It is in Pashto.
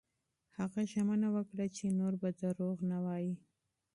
هغه ژمنه وکړه چې نور به درواغ نه وايي.